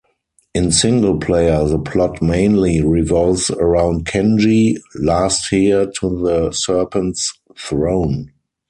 In single-player, the plot mainly revolves around Kenji, last heir to the Serpent's Throne.